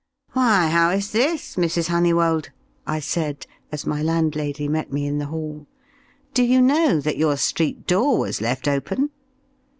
"Why, how is this, Mrs. Honeywold?" I said, as my landlady met me in the hall. "Do you know that your street door was left open?"